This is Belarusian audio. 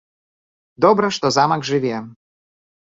Добра, што замак жыве.